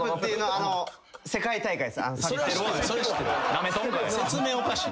なめとんかい。